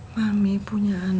pemimpin aku satu